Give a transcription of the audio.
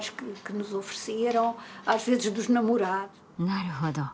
なるほど。